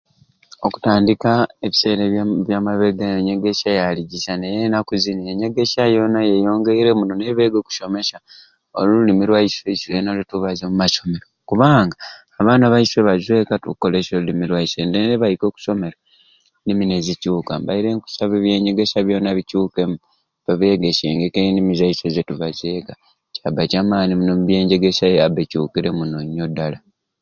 Okutandika ebiseera bya mabeega enyegesya yali bisai naye enaku zini enyegesya yeyongaire muno naye beyongere okusomesya olulumi lwaiswe iswena lwetubaza omumasomeero kubanga abaana baiswe bazweeka nga tukolesya olulimi lwaiswe naye nibaika okusomero endimi nizikyuka mbaire nkusaba bikyukeemu babegesyengeku endimi zaiswe zetubaza ekka, kyaba kyamaani muno obyenyegesya yaba ekyukire nyo dala.